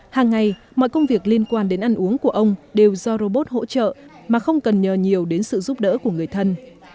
hàng ngày mọi công việc liên quan đến ăn uống của ông đều do robot hỗ trợ mà không cần nhờ nhiều đến sự giúp đỡ của người thân